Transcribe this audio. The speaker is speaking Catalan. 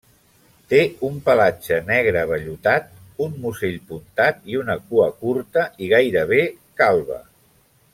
Té un pelatge negre vellutat, un musell puntat i una cua curta i gairebé calba.